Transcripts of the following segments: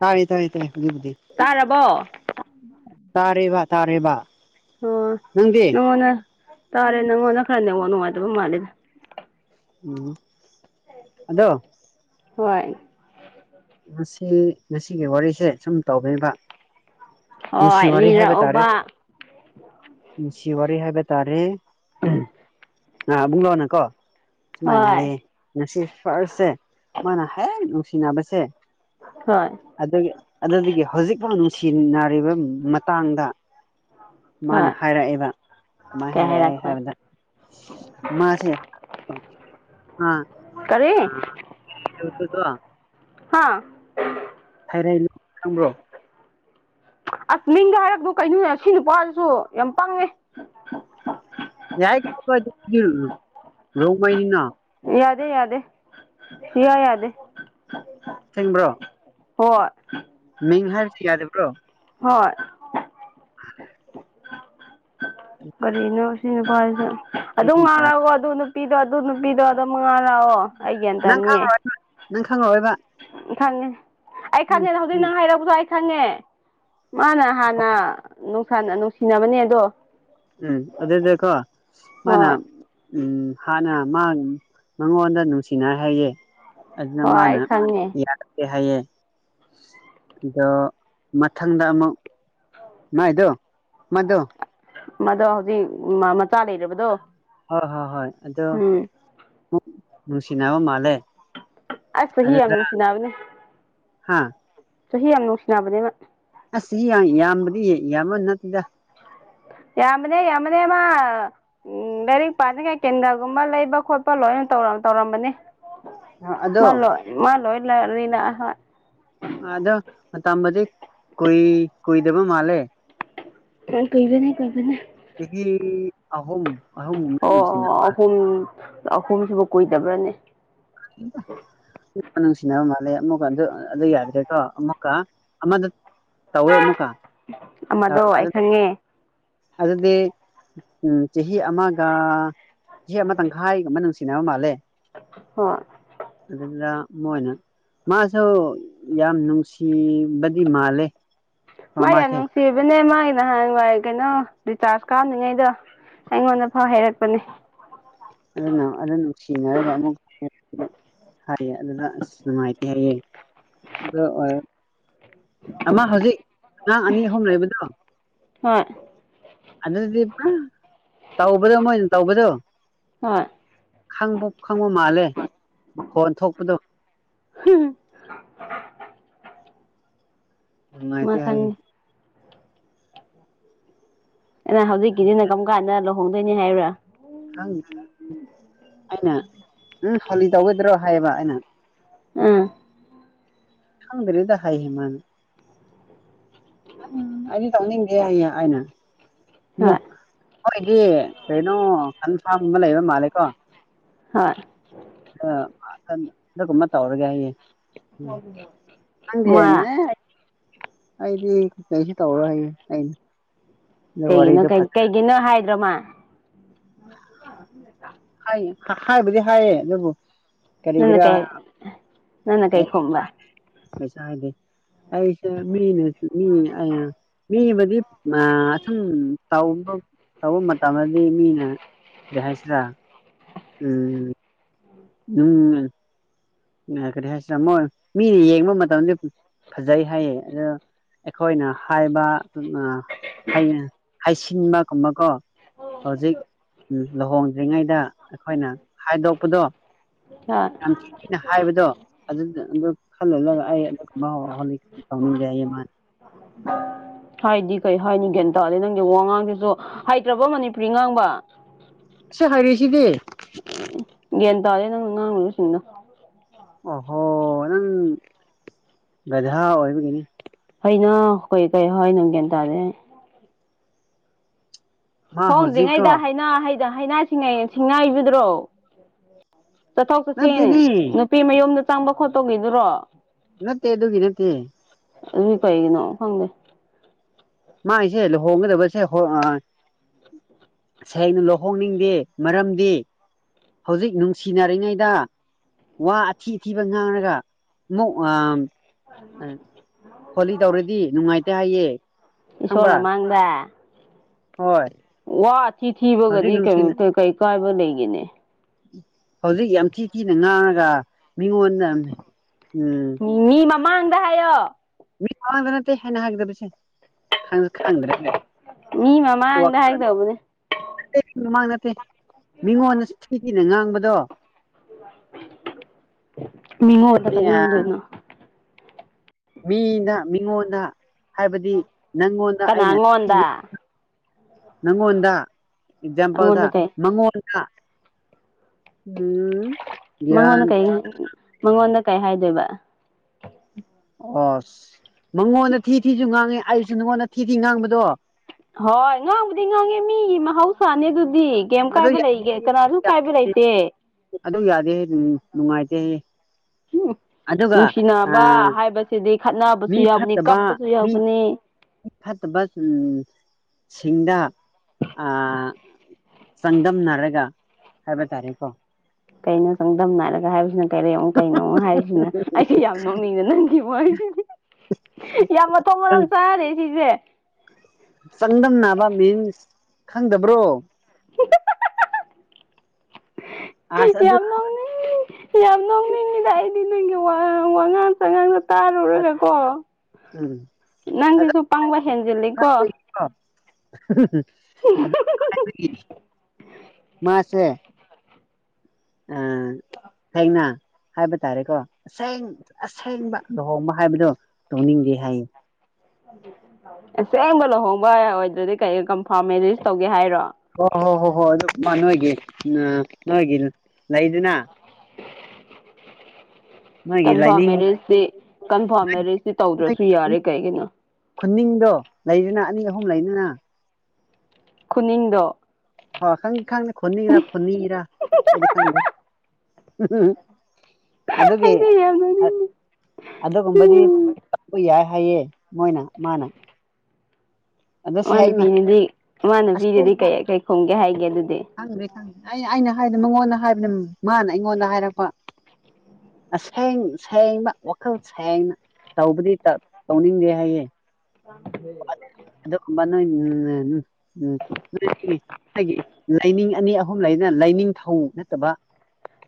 ꯇꯥꯥꯏ ꯇꯥꯏ ꯇꯥꯏ ꯑꯗꯨꯕꯨꯗꯤ ꯇꯥꯔꯕꯣ ꯇꯥꯔꯦꯕ ꯇꯥꯔꯦꯕ ꯑꯣ ꯅꯪꯗꯤ ꯅꯪꯉꯣꯟꯗ ꯇꯥꯔꯦ ꯅꯪꯉꯣꯟꯗ ꯈꯔ ꯅꯦꯠꯋꯥꯠ ꯅꯨꯡꯉꯥꯏꯇꯕ ꯃꯥꯜꯂꯦꯗ ꯎꯝ ꯑꯗꯣ ꯍꯣꯏ ꯉꯁꯤ ꯉꯁꯤꯒꯤ ꯋꯥꯔꯤꯁꯦ ꯁꯨꯝ ꯇꯧꯕꯅꯦꯕ ꯍꯣꯏ ꯅꯨꯡꯁꯤ ꯋꯥꯔꯤ ꯍꯥꯏꯕ ꯇꯥꯔꯦ ꯂꯤꯔꯛꯑꯣꯕ ꯅꯨꯜꯁꯤꯋꯥꯔꯤ ꯍꯥꯏꯕ ꯇꯥꯔꯦ ꯑꯥ ꯑꯕꯨꯡꯂꯣꯅ ꯀꯣ ꯁꯨꯃꯥꯏꯅ ꯍꯣꯏ ꯍꯥꯏꯌꯦ ꯉꯁꯤ ꯐꯥꯔꯁ ꯁꯦ ꯃꯥꯅ ꯍꯦꯛ ꯅꯨꯡꯁꯤꯅꯕꯁꯦ ꯍꯣꯏ ꯑꯗꯨ ꯑꯗꯨꯗꯒꯤ ꯍꯧꯖꯤꯛꯐꯥꯎ ꯅꯨꯡꯁꯤꯅꯔꯤꯕ ꯃꯇꯥꯡꯗ ꯃꯥꯅ ꯍꯣꯏ ꯍꯥꯏꯔꯛꯑꯦꯕ ꯀꯃꯥꯏꯅ ꯀꯩ ꯍꯥꯏꯔꯛꯑꯦ ꯍꯥꯏꯔꯛꯄ ꯍꯥꯏꯕꯗ ꯃꯥꯁꯦ ꯑꯥ ꯀꯔꯤ [unintelligible] ꯍꯥꯥ ꯊꯥꯏꯔꯦꯟ ꯈꯪꯕ꯭ꯔꯣ꯫ ꯑꯁ ꯃꯤꯡꯗꯣ ꯍꯥꯏꯔꯛꯀꯅꯨ ꯀꯩꯅꯣ ꯑꯁꯤ ꯅꯨꯄꯥꯖꯤꯁꯨ ꯌꯥꯝ ꯄꯪꯉꯦ꯫ ꯌꯥꯏ ꯀꯩꯁꯨ ꯀꯥꯏꯗꯦ [unintelligible] ꯔꯣꯡꯃꯩꯅꯤꯅ꯫ ꯌꯥꯗꯦ ꯌꯥꯗꯦ ꯁꯨꯌꯥ ꯌꯥꯗꯦ꯫ ꯑꯁꯦꯡꯕ꯭ꯔꯣ꯫ ꯍꯣꯏ ꯃꯤꯡ ꯍꯥꯏꯕꯁꯤ ꯌꯥꯗꯕ꯭ꯔꯣ꯫ ꯍꯣꯏ ꯀꯔꯤꯅꯣ ꯁꯤ ꯅꯨꯄꯥꯖꯤꯁꯨ ꯑꯗꯨꯝ ꯑꯩꯗꯤ ꯌꯥꯏ ꯉꯥꯡꯔꯛꯑꯣ ꯑꯗꯨ ꯅꯨꯄꯤꯗꯣ ꯑꯗꯨ ꯅꯨꯄꯤꯗꯣ꯫ ꯆꯃꯉꯥ ꯂꯥꯛꯑꯣ ꯑꯩꯒꯌ꯭ꯥꯟ ꯅꯪ ꯇꯥꯅꯤꯌꯦ꯫ ꯈꯪꯉꯣꯏ ꯅꯪ ꯈꯪꯉꯣꯏꯔꯕ ꯈꯪꯉꯦ ꯑꯩ ꯈꯪꯉꯦꯅ ꯍꯧꯖꯤꯛ ꯎꯝ ꯅꯪ ꯍꯥꯏꯔꯛꯕꯗꯣ ꯑꯩ ꯈꯪꯉꯦ꯫ ꯃꯥꯅ ꯍꯥꯟꯅ ꯅꯨꯡꯁꯟ ꯅꯨꯡꯁꯤꯅꯕꯅꯦ ꯑꯗꯣ꯫ ꯎꯝ ꯑꯗꯨꯗꯀꯣ ꯃꯥꯅ ꯍꯣꯏ ꯎꯝ ꯍꯥꯟꯅ ꯃꯥ ꯃꯉꯣꯟꯗ ꯅꯨꯡꯁꯤꯅꯩ ꯍꯥꯏꯌꯦ꯫ ꯑꯗꯨꯅ ꯍꯣꯏ ꯃꯥꯅ ꯑꯩ ꯈꯪꯉꯦ ꯌꯥꯔꯛꯇꯦ ꯍꯥꯏꯌꯦ꯫ ꯗꯣ ꯃꯊꯪꯗ ꯑꯃꯨꯛ ꯃꯥꯥꯏꯗꯣ ꯃꯥꯥꯗꯣ꯫ ꯃꯗꯣ ꯍꯧꯖꯤꯛ ꯃ ꯃꯆꯥ ꯂꯩꯔꯕꯗꯣ꯫ ꯍꯣ ꯍꯣ ꯍꯣꯏ ꯑꯗꯣ ꯎꯝ ꯃꯨ ꯅꯨꯡꯁꯤꯅꯕ ꯃꯥꯜꯂꯦ꯫ ꯑꯁ ꯆꯍꯤ ꯌꯥꯝ ꯅꯨꯡꯁꯤꯅꯕꯅꯤ ꯫ ꯍꯥꯥ ꯆꯍꯤ ꯌꯥꯝ ꯅꯨꯡꯁꯤꯅꯕꯅꯦꯕ꯫ ꯑꯁ ꯆꯍꯤ ꯌꯥ ꯌꯥꯝꯕꯗꯤ ꯌꯥꯝꯕ ꯅꯠꯇꯦꯗ꯫ ꯌꯥꯝꯕꯅꯦ ꯌꯥꯝꯕꯅꯦ ꯃꯥ꯫ ꯎꯝ ꯂꯥꯏꯔꯤꯛ ꯄꯥꯅꯤꯉꯥꯏ ꯀꯦꯟꯗꯜꯒꯨꯝꯕ ꯂꯩꯕ ꯈꯣꯠꯄ ꯂꯣꯏꯅ ꯇꯧꯔꯝ ꯇꯧꯔꯝꯃꯅꯤ꯫ ꯑꯗꯣ ꯃꯥꯜꯂꯣ ꯃꯥꯜꯂꯣꯏ ꯂꯩꯔꯤꯅꯥ ꯍꯣꯏ ꯫ ꯑꯥꯗ ꯃꯇꯝꯕꯗꯤ ꯀꯨꯏ ꯀꯨꯏꯗꯕ ꯃꯥꯜꯂꯦ꯫ ꯀꯟ ꯀꯨꯏꯕꯅꯦ ꯀꯨꯏꯕꯅꯦ꯫ ꯆꯍꯤ ꯑꯍꯨꯝ ꯑꯍꯨꯝꯒꯨꯃꯥꯏ ꯅꯨꯡꯁꯤꯅ ꯑꯣ ꯃꯥꯜꯂꯦ꯫ ꯑꯍꯨꯝ ꯑꯍꯨꯝꯁꯤꯕꯨ ꯀꯨꯏꯗꯕ꯭ꯔꯅꯦ꯫ [unintelligible] ꯅꯨꯡꯁꯤꯅꯕ ꯃꯥꯜꯂꯦ ꯑꯃꯨꯛꯀ ꯑꯗꯨ ꯑꯗꯨ ꯌꯥꯗ꯭ꯔꯦꯀꯣ ꯑꯃꯨꯛꯀ ꯑꯃꯗ꯫ ꯇꯧꯋꯦ ꯑꯃꯨꯛꯀ꯫ ꯑꯃꯗꯣ ꯇꯧꯔꯒ ꯑꯩ ꯑꯗꯨꯗꯤ ꯈꯪꯉꯦ꯫ ꯑꯗꯨꯗꯤ ꯎꯝ ꯆꯍꯤ ꯑꯃꯒ ꯆꯍꯤ ꯑꯃ ꯇꯪꯈꯥꯏꯒꯨꯝꯕ ꯅꯨꯡꯁꯤꯅꯕ ꯃꯥꯜꯂꯦ꯫ ꯍꯣ ꯑꯗꯨꯗ ꯃꯣꯏꯅ꯫ ꯃꯥꯁꯨ ꯌꯥꯝ ꯅꯨꯡꯁꯤꯕꯗꯤ ꯃꯥꯜꯂꯦ꯫ ꯃꯥ ꯌꯥꯝ ꯃꯥꯁꯦ ꯅꯨꯡꯁꯤꯕꯅꯦ ꯃꯥꯏ ꯅꯍꯥꯟꯋꯥ ꯀꯩꯅꯣ ꯔꯤꯆꯥꯔꯖ ꯀꯥꯞꯅꯉꯩꯗꯣ꯫ ꯑꯩꯉꯣꯟꯗ ꯐꯥꯎ ꯍꯩꯔꯛꯄꯅꯦ꯫ ꯑꯗꯨꯅ ꯑꯗꯨ ꯅꯨꯡꯁꯤꯅꯔꯒ ꯑꯃꯨꯛ ꯍꯥꯏꯌꯦ ꯑꯗꯨꯗ ꯑꯁ ꯅꯨꯡꯉꯥꯏꯇꯦ ꯍꯥꯏꯌꯦ ꯑꯗꯣ ꯑꯣꯏꯔ ꯑꯃ ꯍꯧꯖꯤꯛ ꯑꯉꯥꯡ ꯑꯅꯤ ꯑꯍꯨꯝ ꯂꯩꯕꯗꯣ ꯍꯣꯏ ꯑꯗꯨꯗꯤ ꯄꯨꯔꯥ ꯇꯧꯕꯗꯣ ꯃꯣꯏꯅ ꯇꯧꯕꯗꯣ ꯍꯣꯏ ꯈꯪꯕ ꯈꯪꯕ ꯃꯥꯜꯂꯦ ꯃꯈꯣꯟ ꯊꯣꯛꯄꯗꯣ ꯅꯨꯡꯉꯥꯏꯇꯦ ꯃꯥ ꯍꯥꯏꯕꯅꯤ ꯈꯪꯉꯤ ꯑꯩꯅ ꯍꯧꯖꯤꯛꯀꯤꯖꯤꯅ ꯀꯝ ꯀꯥꯟꯗ ꯂꯨꯍꯣꯡꯗꯣꯏꯅꯤ ꯍꯥꯏꯌꯨꯔꯥ ꯈꯪꯗ ꯑꯩꯅ ꯎꯝ ꯍꯣꯂꯤ ꯇꯧꯔꯣꯏꯗ꯭ꯔꯣ ꯍꯥꯏꯌꯦꯕ ꯑꯩꯅ ꯑ ꯈꯪꯗꯔꯤꯗ ꯍꯥꯏꯍꯦ ꯃꯥꯅ ꯑꯩꯗꯤ ꯇꯧꯅꯤꯡꯗꯦ ꯍꯥꯏꯌꯦ ꯑꯩꯅ ꯅꯣ ꯍꯣꯏ ꯍꯣꯏꯗꯤ ꯀꯩꯅꯣ ꯀꯟꯐꯥꯝꯒꯨꯝꯕ ꯂꯩꯕ ꯃꯥꯜꯂꯦꯀꯣ ꯍꯣꯏ ꯑ [unintelligible] ꯑꯗꯨꯒꯨꯝꯕ ꯇꯧꯔꯒꯦ ꯍꯥꯏꯌꯦ ꯎꯝ ꯈꯪꯗꯦ ꯃꯥ ꯅꯦ ꯑꯩꯗꯤ ꯀꯩꯁꯨ ꯇꯧꯔꯣꯏ ꯍꯥꯏꯌꯦ ꯑꯩꯅ ꯑꯗꯨ ꯀꯩꯒꯤꯅꯣ ꯋꯥꯔꯤꯗꯣ ꯀꯩ ꯐꯖ ꯀꯩꯒꯤꯅꯣ ꯍꯥꯏꯗ꯭ꯔꯣ ꯃꯥ [inaudible] ꯍꯥꯏ ꯍ ꯍꯥꯏꯕꯨꯗꯤ ꯍꯥꯏꯌꯦ ꯑꯗꯨꯕꯨ ꯅꯪꯅ ꯀꯔꯤꯒꯤꯔꯥ ꯀꯩ ꯅꯪꯅ ꯀꯩ ꯈꯨꯝꯕ ꯄꯩꯁꯥ ꯍꯥꯏꯗꯤ ꯑꯩꯁꯦ ꯃꯤꯅꯁꯨ ꯃꯤꯅ ꯑꯌꯥ ꯃꯤꯕꯗꯤ ꯃꯥ ꯑꯁꯨꯝ ꯇꯧꯕ ꯇꯧꯕ ꯃꯇꯝꯗꯗꯤ ꯃꯤꯅ ꯀꯩ ꯍꯥꯏꯁꯤꯔ ꯎꯝ ꯅꯪꯅꯦ ꯑ ꯀꯔꯤ ꯍꯥꯏꯁꯤꯔ ꯃꯣꯏ ꯃꯤꯅ ꯌꯦꯡꯕ ꯃꯇꯝꯗꯤ ꯐꯖꯩ ꯍꯥꯏꯌꯦ ꯑꯗꯣ ꯑꯩꯈꯣꯏꯅ ꯍꯥꯏꯕ ꯑ ꯍꯩꯅ ꯍꯩꯁꯤꯟꯕ ꯒꯨꯝꯕ ꯀꯣ ꯍꯧꯖꯤꯛ ꯂ ꯂꯨꯍꯣꯡꯗ꯭ꯔꯤꯉꯩꯗ ꯑꯩꯈꯣꯏꯅ ꯍꯥꯏꯗꯣꯛꯄꯗꯣ ꯍꯣꯏ [unintelligible] ꯑꯩꯅ ꯍꯥꯏꯕꯗꯣ ꯑꯗꯨꯗ ꯑꯗꯨ ꯈꯜꯂꯨꯂꯒ ꯑꯩ ꯑꯗꯨꯒꯨꯝꯕ ꯍꯧꯅꯤꯛ ꯇꯧꯅꯤꯡꯗꯦ ꯍꯥꯏꯌꯦ ꯃꯥꯅ [inaudible] ꯍꯥꯏꯗꯤ ꯀꯩ ꯍꯥꯏꯅꯤ ꯒ꯭ꯌꯥꯟ ꯇꯥꯗꯦ ꯅꯪꯒꯤ ꯋꯥꯉꯥꯡꯗꯨꯁꯨ ꯍꯩꯇ꯭ꯔꯕꯣ ꯃꯅꯤꯄꯨꯔꯤ ꯉꯥꯡꯕ ꯁꯤ ꯍꯩꯔꯤꯁꯤꯗꯤ ꯒ꯭ꯌꯥꯟ ꯇꯥꯗꯦ ꯅꯪꯅ ꯉꯥꯡꯉꯤꯁꯤꯡꯗꯣ ꯑꯣꯍꯣ ꯅꯪ ꯒꯙꯥ ꯑꯣꯏꯕꯒꯤꯅꯤ ꯍꯩꯅꯣ ꯀꯩ ꯀꯩ ꯍꯥꯏꯅꯣ ꯒꯌꯥꯟ ꯇꯥꯗꯦ ꯑꯩ ꯃꯥ ꯍꯧꯖꯤꯛꯀꯣ ꯍꯣꯡꯗ꯭ꯔꯤꯉꯩꯗ ꯍꯥꯏꯅꯥ ꯍꯩꯗ ꯍꯥꯏꯅꯥ ꯁꯤꯡꯉꯩ ꯁꯤꯡꯅꯥꯏꯕꯗ꯭ꯔꯣ ꯆꯠꯊꯣꯛ ꯆꯠꯁꯤꯟ ꯅꯠꯇꯦꯅꯦ ꯅꯨꯄꯤ ꯃꯌꯨꯝꯗ ꯆꯪꯕ ꯈꯣꯠꯄꯒꯤꯗꯨꯔꯣ ꯅꯠꯇꯦ ꯑꯗꯨꯒꯤ ꯅꯠꯇꯦ ꯑꯗꯨꯗꯤ ꯀꯩꯒꯤꯅꯣ ꯈꯪꯗꯦ ꯃꯥꯏꯁꯦ ꯂꯨꯍꯣꯡꯒꯗꯕꯁꯦ ꯍꯣ ꯑ ꯁꯦꯡꯅ ꯂꯨꯍꯣꯡꯅꯤꯡꯗꯦ ꯃꯔꯝꯗꯤ ꯍꯧꯖꯤꯛ ꯅꯨꯡꯁꯤꯅꯔꯤꯉꯩꯗ ꯋꯥ ꯑꯊꯤ ꯑꯊꯤꯕ ꯉꯥꯡꯔꯒ ꯑꯃꯨꯛ ꯑꯥ ꯑ ꯍꯣꯂꯤ ꯇꯧꯔꯗꯤ ꯅꯨꯡꯉꯥꯏꯇꯦ ꯍꯥꯏꯌꯦ ꯏꯁꯣꯔ ꯈꯪꯕ꯭ꯔꯥ ꯃꯃꯥꯡꯗ ꯍꯣꯏ ꯋꯥ ꯑꯊꯤ ꯍꯧꯖꯤꯛ ꯑꯊꯤꯕꯒꯗꯤ ꯅꯨꯡꯁꯤꯅ ꯀꯦꯝꯇ ꯀꯩ ꯀꯥꯏꯕ ꯂꯩꯒꯦꯅꯦ ꯍꯧꯖꯤꯛ ꯌꯥꯝ ꯊꯤ ꯊꯤꯅ ꯉꯥꯡꯔꯒ ꯃꯤꯉꯣꯟꯗ ꯎꯝ ꯃꯤ ꯃꯃꯥꯡꯗ ꯍꯥꯏꯌꯣ ꯃꯤ ꯃꯡꯗ ꯅꯠꯇꯦ ꯑꯩꯅꯥ ꯍꯥꯏꯒꯗꯕꯁꯦ ꯈꯪ ꯈꯪꯗ꯭ꯔꯦꯅꯦ ꯃꯤ ꯃꯃꯥꯡꯗ [unintelligible] ꯍꯥꯏꯒꯗꯧꯕꯅꯦ ꯃꯃꯥꯡ ꯅꯠꯇꯦ ꯃꯤꯉꯣꯟꯗ ꯊꯤ ꯊꯤꯅ ꯉꯥꯡꯕ ꯗꯣ ꯃꯤꯉꯣꯗ ꯀꯩ ꯉꯥꯡꯗꯣꯏꯅꯣ ꯃꯤꯅ ꯃꯤꯉꯣꯟꯗ ꯍꯥꯏꯕꯗꯤ ꯅꯪꯉꯣꯟꯗ ꯀꯅꯥ ꯑꯩꯅ ꯑꯩꯉꯣꯟꯗ ꯊꯤꯅ ꯅꯪꯉꯣꯟꯗ ꯑꯦꯛꯖꯥꯝꯄꯜꯗ ꯑꯩꯉꯣꯟꯗ ꯀꯩ ꯅꯉꯣꯟꯗ ꯃꯉꯣꯟꯗ ꯀꯔꯤ ꯃꯉꯣꯟꯗ ꯀꯩ ꯍꯥꯏꯗꯣꯏꯕ ꯑꯁ ꯃꯉꯣꯟꯗ ꯊꯤ ꯊꯤꯁꯨ ꯉꯥꯡꯉꯤ ꯑꯩꯁꯨ ꯅꯉꯣꯟꯗ ꯊꯤ ꯊꯤ ꯉꯥꯡꯕꯗꯣ ꯍꯣꯏ ꯉꯥꯡꯕꯨꯗꯤ ꯉꯥꯡꯉꯦ ꯃꯤꯒꯤ ꯃꯍꯧꯁꯥꯅꯦ ꯑꯗꯨꯗꯤ ꯀꯌꯥꯝ ꯑꯗꯨ ꯀꯥꯏꯕ ꯌꯥꯗꯦ ꯂꯩꯒꯦ ꯀꯅꯥꯁꯨ ꯀꯥꯏꯕ ꯂꯩꯇꯦ ꯑꯗꯨ ꯌꯥꯗꯦ ꯍꯥꯏꯗꯤ ꯅꯨꯡꯉꯥꯏꯇꯦ ꯍꯥꯏꯌꯦ ꯅꯨꯡꯁꯤꯅꯕ ꯑꯥ ꯍꯥꯏꯕꯁꯤꯗꯤ ꯃꯤ ꯈꯠꯅꯕꯁꯨ ꯌꯥꯎꯕꯅꯤ ꯐꯠꯇꯕ ꯀꯞꯄꯁꯨ ꯌꯥꯎꯕꯅꯤ ꯃꯤ ꯐꯠꯇꯕ ꯁꯤꯡ ꯁꯤꯡꯗ ꯑꯥ ꯆꯥꯡꯗꯝꯅꯔꯒ ꯍꯥꯏꯕ ꯇꯥꯔꯦꯀꯣ ꯀꯩꯅꯣ ꯆꯥꯡꯗꯝꯅꯔꯒꯥ ꯍꯥꯏꯕꯁꯤꯅ ꯀꯔꯤ ꯑꯃꯨꯛ ꯀꯩꯅꯣ ꯍꯥꯏꯕꯁꯤꯅ ꯑꯩꯁ ꯑꯩꯗꯤ ꯌꯥꯝ ꯅꯣꯛꯅꯤꯡꯉꯤꯗ ꯅꯪꯒꯤ ꯋꯔꯤꯁꯦ ꯌꯥꯝ ꯃꯊꯣꯡ ꯃꯔꯝ ꯆꯥꯗꯦ ꯁꯤꯁꯦ ꯆꯥꯡ ꯗꯝ ꯅꯕ ꯃꯤꯟꯁ ꯈꯪꯗꯕ꯭ꯔꯣ ꯑꯁꯗꯤ ꯌꯥꯝ ꯅꯣꯛ ꯅꯤꯡ ꯌꯥꯝ ꯅꯣꯛꯅꯤꯡꯉꯤꯗ ꯑꯩꯗꯤ ꯅꯪꯒꯤ ꯋꯥꯉ ꯋꯥꯉꯥꯡ ꯁꯥꯉꯥꯡꯗ ꯇꯥꯔꯨꯔꯒ ꯀꯣ ꯎꯝ ꯅꯪꯁꯤꯁꯨ ꯄꯪꯕ ꯍꯦꯟꯖꯤꯜꯂꯤꯀꯣ ꯑꯗꯨꯒꯤꯀꯣ ꯃꯥꯁꯦ ꯑ ꯍꯥꯏꯅ ꯍꯥꯏꯕ ꯇꯥꯔꯦꯀꯣ ꯑꯁꯦꯡ ꯑꯁꯦꯡꯕ ꯂꯨꯍꯣꯡꯕ ꯍꯥꯏꯕꯗꯣ ꯇꯧꯅꯤꯡꯗꯦ ꯍꯥꯏꯌꯦ ꯑꯁꯦꯡꯕ ꯂꯨꯍꯣꯡꯕ ꯑꯣꯏꯗ꯭ꯔꯗꯤ ꯀꯩ ꯀꯝꯐꯔꯃ ꯃꯦꯔꯤꯌꯦꯖ ꯇꯧꯒꯦ ꯍꯥꯏꯔꯣ ꯑꯣ ꯍꯣ ꯍꯣ ꯍꯣꯏ ꯑꯗꯨ ꯑ ꯅꯣꯏꯒꯤ ꯎ ꯅꯣꯏꯒꯤ ꯂꯩꯗꯅ ꯅꯣꯏꯒꯤ ꯀꯟꯐꯥꯔꯝ ꯂꯥꯏꯅꯤꯡ ꯃꯦꯔꯤꯌꯖꯇꯤ ꯀꯟꯐꯥꯔꯝ ꯃꯦꯔꯤꯌꯖꯇꯤ ꯇꯧꯗ꯭ꯔꯁꯨ ꯌꯥꯔꯦ ꯀꯩꯒꯤꯅꯣ ꯈꯨꯟꯅꯤꯡꯗꯣ ꯂꯩꯗꯅ ꯑꯅꯤ ꯑꯍꯨꯝ ꯂꯩꯗꯅ ꯈꯨꯅꯤꯡꯗꯣ ꯍ ꯈꯪ ꯈꯪꯗꯦ ꯈꯨꯅꯤꯡꯔ ꯈꯨꯅꯤꯔ ꯑꯩꯗꯤ ꯈꯪꯗꯦ ꯑꯗꯨꯒꯤ ꯑꯩꯗꯤ ꯌꯥꯝ ꯅꯣꯛꯅꯤꯡꯉꯦ ꯑꯗꯨꯒꯨꯝꯕꯗꯤ ꯎꯝ ꯇꯧꯕ ꯌꯥꯏ ꯍꯥꯏꯌꯦ ꯃꯣꯏꯅ ꯃꯥꯅ ꯑꯗ ꯑꯃ ꯁꯦꯡꯅ ꯅꯨꯄꯤꯗꯨꯗꯤ ꯑꯃ ꯅꯨꯄꯤꯗꯨꯗꯤ ꯀꯩ ꯀꯩ ꯈꯨꯝꯒꯦ ꯍꯥꯏꯒꯦ ꯑꯗꯨꯗꯤ ꯈꯪꯗꯦ ꯈꯪꯗꯦ ꯑꯩ ꯑꯩꯅ ꯍꯥꯏꯕꯗ ꯃꯉꯣꯟꯗ ꯍꯥꯏꯕꯗ ꯃꯥꯅ ꯑꯩꯉꯣꯟꯗ ꯍꯥꯏꯔꯛꯄ ꯑꯥꯁꯦꯡ ꯁꯦꯡꯅ ꯋꯥꯈꯜ ꯁꯦꯡꯅꯥ ꯇꯧꯕꯗꯤ ꯇꯠ ꯇꯧꯅꯤꯡꯗꯦ ꯍꯥꯏꯌꯦ [inaudible] ꯑꯗꯨꯒꯨꯝꯕꯥ ꯅꯣꯏ [unintelligible] ꯎꯝ ꯅꯣꯏꯒꯤ ꯑꯩꯒꯤ ꯂꯥꯏꯅꯤꯡ ꯑꯅꯤ ꯑꯍꯨꯝ ꯂꯩꯗꯅ ꯂꯥꯏꯅꯤꯡꯊꯧ ꯅꯠꯇꯕ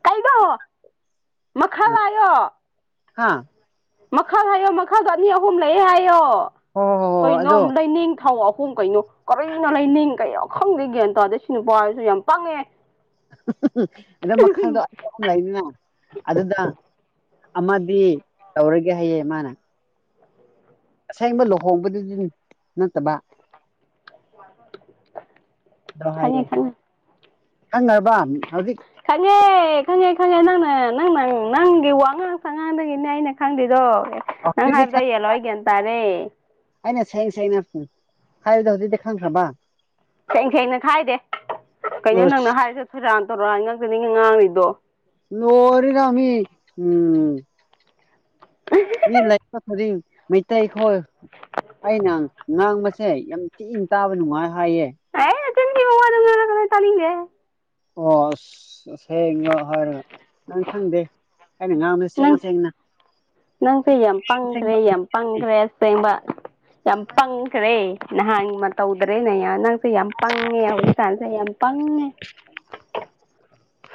ꯀꯩꯅꯣ ꯃꯈꯜ ꯍꯥꯏꯌꯣ ꯍꯥ ꯃꯈꯜ ꯍꯥꯏꯌꯣ ꯝꯈꯜ ꯑꯅꯤ ꯑꯍꯨꯝ ꯂꯩ ꯍꯥꯏꯌꯣ ꯍꯣꯏ ꯍꯣꯏ ꯍꯣꯏ ꯍꯣꯏ ꯀꯩꯅꯣ ꯑꯗꯣ ꯂꯩꯅꯤꯡꯊꯧ ꯑꯍꯨꯝ ꯀꯩꯅꯣ ꯀꯔꯤꯅꯣ ꯂꯩꯅꯤꯡ ꯀꯩꯅꯣ ꯈꯪꯗꯦ ꯒ꯭ꯌꯥꯟ ꯇꯥꯗꯦ ꯁꯤ ꯅꯨꯄꯥ ꯁꯤꯁꯨ ꯌꯥꯝ ꯄꯪꯉꯦ ꯑꯗꯣ ꯃꯈꯜ ꯗꯣ ꯑꯅꯤ ꯑꯍꯨꯝ ꯂꯩꯗꯅꯥ ꯑꯗꯨꯗ ꯑꯃꯗꯤ ꯇꯧꯔꯒꯦ ꯍꯥꯏꯌꯦ ꯃꯥꯅ ꯑꯁꯦꯡꯕ ꯂꯨꯍꯣꯡꯕꯗꯨꯗꯤ ꯅꯠꯇꯕ ꯗꯣ ꯈꯪꯉꯦ ꯍꯥꯏꯌꯦ ꯈꯪꯉꯦ ꯈꯪꯉꯥꯕꯔꯥ ꯍꯧꯖꯤꯛ ꯈꯪꯉꯦ ꯈꯪꯉꯦ ꯈꯪꯉꯦ ꯅꯪꯅ ꯅꯪ ꯅꯪ ꯅꯪꯒꯤ ꯋꯥꯉꯥꯡ ꯁꯉꯥꯡꯗꯒꯤꯅꯦ ꯑꯩꯅ ꯈꯪꯗ꯭ꯦꯗꯣ ꯑꯗꯤ ꯈ [inaudible] ꯑꯩꯅ ꯁꯦꯡ ꯁꯩꯅ ꯍꯥꯏꯕꯗ ꯍꯧꯖꯤꯛꯇꯤ ꯈꯪꯈ꯭ꯔꯕ ꯁꯦꯡ ꯁꯦꯡꯅ ꯍꯥꯏꯗꯦ ꯀꯩꯅꯣ ꯑꯁ ꯅꯪꯅ ꯍꯥꯏꯔꯤꯁ ꯁꯣꯏꯔꯥꯟ ꯇꯧꯔꯅꯤ ꯉꯪꯛꯇꯅꯤ ꯉꯥꯡꯏꯗꯣ [inaudible] ꯎꯝ ꯃꯤ ꯂꯩ [inaudible] ꯃꯩꯇꯩꯈꯣꯏ ꯑꯩꯅ ꯉꯥꯡꯕꯁꯦ ꯌꯥꯝ ꯇꯤꯅ ꯇꯥꯕ ꯅꯨꯡꯉꯥꯏ ꯍꯥꯏꯌꯦ ꯑꯦ ꯆꯤꯟ ꯊꯤꯕꯥ ꯋ꯭ꯗꯣ ꯉꯥꯡꯒꯅꯣ ꯇꯥꯅꯤꯡꯗꯦ ꯑꯣ ꯑꯁ ꯑꯁꯦꯡꯕ ꯍꯥꯏꯔꯒ ꯅꯪ ꯈꯪꯗꯦ ꯑꯩꯅꯥ ꯉꯥꯡꯕ ꯅꯪ ꯅꯪꯁꯦ ꯌꯥꯝ ꯄꯪꯈ꯭ꯔꯦ ꯁꯦꯡꯕ ꯄꯪꯈ꯭ꯔꯦ ꯑꯁꯦꯡꯕ ꯌꯥꯝ ꯄꯪꯈ꯭ꯔꯦ ꯅꯍꯥꯟ ꯃꯇ ꯇꯧꯗ꯭ꯔꯦꯅꯦ ꯅ ꯁꯤ ꯌꯥꯝ ꯄꯪꯉꯦ ꯍꯧꯖꯤꯛꯀꯥꯟꯁꯦ ꯌꯥꯝ ꯄꯪꯉꯦ [inaudible]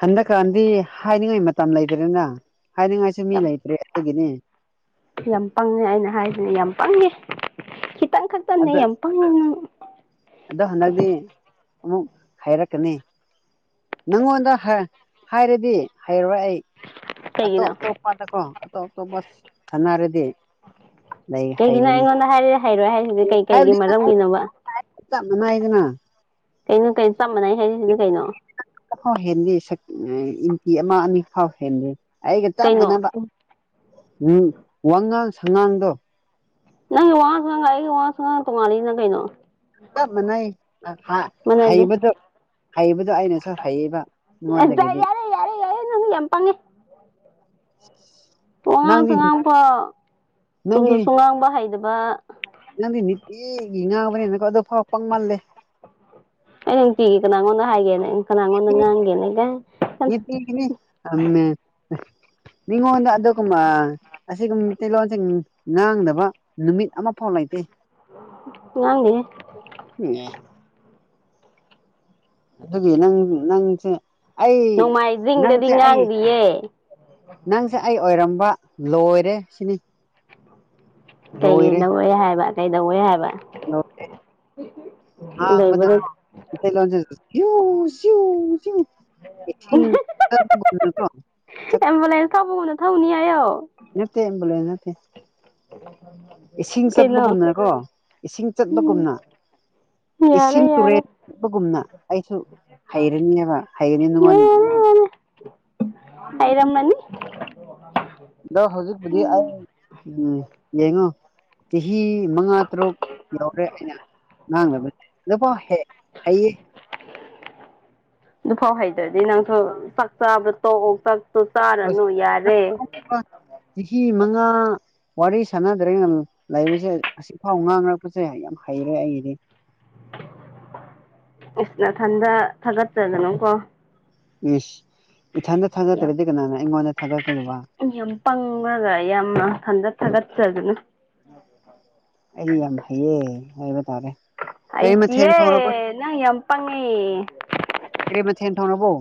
ꯍꯟꯗꯛꯀꯥꯟꯗꯤ ꯍꯥꯏꯅꯤꯡꯉꯥꯏ ꯃꯇꯝ ꯂꯩꯇ꯭ꯔꯅ ꯍꯥꯏꯅꯤꯡꯉꯥꯏꯁꯨ ꯃꯤ ꯌꯥꯝ ꯂꯩꯇ꯭ꯔꯦ ꯑꯗꯨꯒꯤꯅꯤ ꯌꯥꯝ ꯄꯪꯉꯦ ꯑꯩꯅ ꯍꯥꯏꯁꯤꯅꯦ ꯌꯥꯝ ꯄꯪꯉꯦ ꯈꯤꯇꯪ ꯈꯛꯇꯅꯦ ꯑꯗ ꯌꯥꯝ ꯄꯪꯉꯦ ꯑꯗꯣ ꯍꯟꯗꯛꯇꯤ ꯑꯃꯨꯛ ꯍꯥꯏꯔꯛꯀꯅꯤ ꯅꯪꯉꯣꯟꯗ ꯍꯥꯏꯔꯗꯤ ꯍꯩꯔꯔꯣꯏ ꯑꯩ ꯀꯩꯒꯤꯅꯣ ꯑꯇꯣꯞ ꯑꯇꯣꯞꯄꯗꯀꯣ ꯑꯇꯣꯞ ꯑꯇꯣꯞꯄ ꯊꯅꯔꯗꯤ ꯂꯩ ꯀꯩꯒꯤꯅꯣ ꯍꯥꯏꯒꯅꯤ ꯑꯩꯉꯣꯟꯗ ꯍꯥꯏꯔꯦ ꯍꯩꯔꯣꯏ ꯍꯥꯏꯔꯤꯁꯤꯗꯤ ꯀꯩ ꯀꯩꯒꯤ ꯃꯔꯝꯒꯤꯅꯣꯕ [inaudible] [unintelligible] ꯀꯩꯅꯣ ꯀꯩꯅꯣ ꯆꯞ ꯃꯅꯩ ꯍꯥꯏꯔꯤꯁꯤꯅ ꯀꯩꯅꯣ ꯐꯥꯎ ꯍꯦꯟꯗꯦ ꯏꯟꯆꯤꯥ ꯑꯃ ꯑꯅꯤ ꯐꯥꯎ ꯍꯦꯟꯂꯤ ꯑꯩꯒ ꯆꯞ ꯀꯩꯅꯣ ꯃꯥꯟꯅꯕ ꯎꯝ ꯋꯥꯉꯥꯡ ꯁꯉꯥꯡꯗꯣ ꯅꯪꯒꯤ ꯋꯥꯉꯥꯡ ꯁꯥꯉꯥꯡꯒꯥ ꯑꯩ ꯋꯥꯉꯥꯡ ꯁꯥꯉꯥꯡ ꯇꯣꯡꯉꯥꯂꯤꯅ ꯀꯩꯅꯣ ꯆꯞ ꯃꯥꯟꯅꯩ ꯃꯥꯟꯅꯗꯦ ꯍꯩꯕꯗꯨ ꯍꯩꯕꯗꯨ ꯑꯩꯅꯁꯨ ꯍꯩꯕ ꯗ ꯌꯥꯔꯦ ꯌꯥꯔꯦ ꯌꯥꯔꯦ ꯅꯪ ꯌꯝ ꯄꯪꯉꯦ [inaudible] ꯋꯥꯉꯥꯡ ꯁꯥꯉꯥꯡꯁꯨ ꯅꯪꯒꯤ ꯆꯨꯝꯅꯁꯨ ꯉꯥꯡꯕ ꯍꯩꯗꯕ ꯅꯪꯗꯤ ꯅꯤꯇꯤꯒꯤ ꯉꯥꯡꯕꯅꯦꯅꯀꯣ ꯑꯗꯣꯐ ꯄꯪꯃꯜꯂꯦ ꯑꯩ ꯅꯨꯡꯇꯤꯒꯤ ꯀꯅꯥꯉꯣꯟꯗ ꯍꯥꯏꯒꯦꯅꯦ ꯀꯅꯥꯉꯣꯟꯗ ꯉꯥꯡꯒꯦꯅꯦꯒ ꯅꯨꯡꯇꯤ ꯒꯤꯅꯤ ꯃꯤꯉꯣꯟꯗ ꯑꯗꯨꯒꯨꯝꯕ ꯑꯁꯤꯒꯨꯝꯕ ꯃꯤꯇꯩꯩꯇꯩꯂꯣꯟꯁꯤꯡ ꯉꯥꯡꯗꯕ ꯅꯨꯃꯤꯠ ꯑꯃꯐꯥꯎ ꯂꯩꯇꯦ ꯉꯥꯡꯗꯦ [inaudible] ꯑꯗꯨꯒꯤ ꯅꯪ ꯅꯪꯁꯦ ꯑꯩ ꯅꯣꯡꯃꯥꯏꯖꯤꯡꯗꯗꯤ ꯅꯪꯁꯦ ꯑꯩ ꯉꯥꯡꯗꯤꯌꯦ ꯅꯪꯁꯦ ꯑꯩ ꯑꯣꯏꯔꯝꯕ ꯂꯣꯏꯔꯦ ꯁꯤꯅꯤ ꯀꯩ ꯂꯣꯏꯔꯦ ꯍꯥꯏꯕ ꯀꯩꯗꯧꯏ ꯍꯥꯏꯕ ꯑꯣꯀꯦ [inaudible] ꯂꯣꯏꯕꯗ ꯉꯥꯡꯕꯗꯥꯀꯣꯃꯩꯇꯩ ꯂꯣꯟꯁꯦ ꯆꯤꯎ ꯆꯤꯌꯨ ꯅꯀꯣ [inaudible] ꯑꯦꯝꯕꯤꯂꯦꯟꯁ ꯊꯧꯕ ꯒꯨꯝꯅ ꯊꯧꯅꯤ ꯍꯥꯏꯌꯨ ꯅꯠꯇ ꯑꯦꯝꯕꯨꯂꯦꯟꯁ ꯅꯠꯇꯦ [inaudible] ꯏꯁꯤꯡ ꯀꯩꯅꯣ ꯆꯠꯄꯒꯨꯝꯅꯀꫭ ꯏꯁꯤꯡ ꯎꯝ ꯆꯠꯄꯒꯨꯝꯅ ꯌꯥꯔꯦ ꯌꯥꯔꯦ ꯏꯁꯤꯡ ꯌꯥꯔꯦ ꯇꯨꯔꯦꯟꯕꯒꯨꯝꯅ ꯑꯩꯁꯨ ꯍꯩꯔꯅꯤꯕ ꯍꯩꯔꯅꯤ ꯅꯉꯣꯟ ꯍꯩꯔꯝꯃꯟ ꯦ [inaudible] ꯑꯗꯣ ꯍꯧꯖꯤꯛꯄꯨꯗꯤ ꯑꯩ ꯎ ꯌꯦꯡꯉꯣ ꯆꯍꯤ ꯃꯉꯥ ꯇꯔꯨꯛ [unintelligible] ꯑꯩꯅ ꯉꯥꯡꯅꯕꯅꯦ ꯑꯗꯨꯐꯥꯎ ꯍꯩꯇ꯭ꯔꯗꯤ ꯅꯪꯁꯨ ꯆꯥꯛ ꯆꯥꯕꯗ ꯇꯣꯛꯑꯣ ꯆꯥꯛ ꯁꯨꯆꯥꯔꯅꯨ ꯑꯁ ꯌꯥꯔꯦ ꯆꯍꯤ ꯃꯉꯥ ꯋꯥꯔꯤ ꯁꯥꯟꯅꯗ꯭ꯔꯦ ꯂꯩꯕꯁꯦ ꯉꯁꯤꯐꯥꯎ ꯉꯥꯡꯅꯔꯛꯄꯁꯦ ꯌꯥꯝ ꯍꯩꯔꯦ ꯑꯩꯗꯤ ꯏꯁ ꯅꯊꯟꯗ ꯊꯥꯒꯠꯆꯗꯅꯨꯀꯣ ꯏꯖ ꯏꯊꯟꯇ ꯌꯥꯝ ꯊꯥꯒꯠꯇꯔꯥꯗꯤ ꯀꯅꯥꯅ ꯑꯩꯉꯣꯟꯗ ꯊꯥꯒꯠꯀꯗꯨꯕ ꯌꯥꯝ ꯄꯪꯉꯒ ꯌꯥꯝꯅ ꯈꯟꯖꯠ ꯊꯒꯠꯆꯖꯅꯨ ꯑꯩ ꯌꯥꯝ ꯍꯩꯌꯦ ꯍꯥꯏꯕ ꯇꯥꯔꯦ ꯀꯔꯤ ꯃꯊꯦꯜ ꯍꯩꯇꯤꯍꯦ ꯊꯣꯡꯔꯕꯣ ꯅꯪ ꯌꯥꯝ ꯄꯪꯉꯦ ꯀꯔꯦ ꯃꯊꯦꯟ ꯊꫭꯡꯉꯕꯣ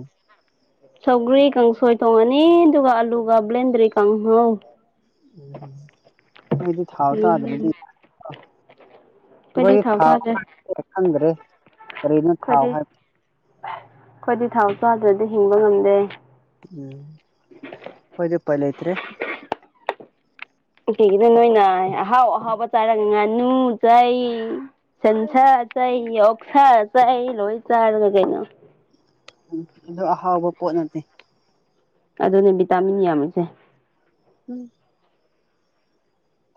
ꯁꯧꯒ꯭ꯔꯤ ꯀꯡꯁꯣꯏ ꯊꯣꯡꯉꯅꯤ ꯑꯗꯨꯒ ꯑꯂꯨꯒ ꯕ꯭ꯂꯦꯟꯗ꯭ꯔꯤ ꯀꯥꯡꯍꯧ ꯎꯝꯝ ꯅꫭꯏꯗꯤ ꯊꯥꯎ ꯎꯝ ꯆꯗꯔꯗꯤ ꯑꯩꯈꯣꯏꯗꯤ ꯑꯩꯈꯣꯏ ꯊꯥꯎ ꯆꯥꯗ꯭ꯔꯦ ꯄꯥꯛ ꯈꯪꯗ꯭ꯔꯦ ꯀꯔꯤꯅ ꯊꯥꯎ ꯑꯩꯈꯣꯏꯗꯤ ꯍꯥꯏꯕ ꯑꯩꯈꯣꯏꯗꯤ ꯊꯥꯎ ꯆꯗ꯭ꯔꯗꯤ ꯍꯤꯡꯕ ꯉꯝꯗꯦ ꯎꯝ ꯈꫭꯏꯗꯤ ꯎꯄꯥꯏꯂꯩꯇꯔꯦ ꯀꯩꯒꯤꯅ ꯅꯣꯏꯅ ꯑꯍꯥꯎ ꯑꯍꯥꯎꯕ ꯆꯥꯔꯒ ꯉꯥꯅꯨ ꯆꯥꯏ ꯁꯟꯁꯥ ꯆꯥꯏ ꯑꯣꯛꯁꯥ ꯆꯥꯏ ꯂꯣꯏ ꯆꯥꯔꯒ ꯀꯩꯅꯣ ꯎꯝ ꯑꯗꫭ ꯑꯍꯥꯎꯕ ꯄꯣꯠ ꯅꯠꯇꯦ ꯑꯗꯨꯅꯦ ꯚꯤꯇꯥꯃꯤꯟ ꯌꯥꯝꯃꯤꯁꯦ [inaudible]